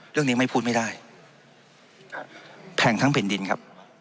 เรื่องนี้ไม่พูดไม่ได้ครับแพงทั้งแผ่นดินครับ